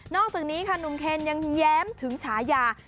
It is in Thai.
อกจากนี้ค่ะหนุ่มเคนยังแย้มถึงฉายา